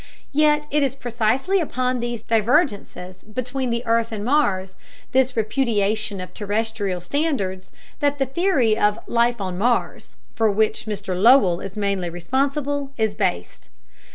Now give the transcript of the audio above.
Yet it is precisely upon these divergences between the earth and Mars, this repudiation of terrestrial standards, that the theory of "life on Mars," for which Mr Lowell is mainly responsible, is based.